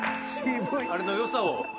あれの良さを。